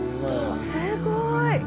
すごい。